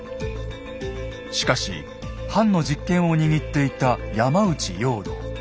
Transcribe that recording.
しかし藩の実権を握っていた山内容堂。